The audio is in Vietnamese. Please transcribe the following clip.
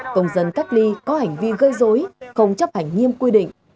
công dân cách ly có hành vi gây dối không chấp hành nghiêm quy định